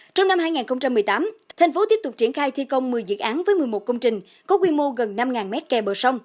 trong năm hai nghìn một mươi tám thành phố tiếp tục triển khai thi công một mươi dự án với một mươi một công trình có quy mô gần năm mét kè bờ sông